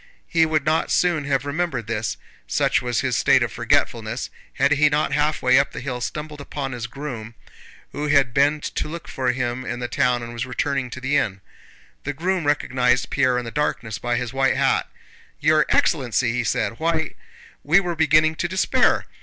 He would not soon have remembered this, such was his state of forgetfulness, had he not halfway up the hill stumbled upon his groom, who had been to look for him in the town and was returning to the inn. The groom recognized Pierre in the darkness by his white hat. "Your excellency!" he said. "Why, we were beginning to despair!